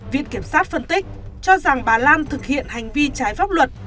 viện kiểm sát phân tích cho rằng bà lan thực hiện hành vi trái pháp luật